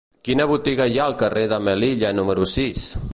Quina botiga hi ha al carrer de Melilla número sis?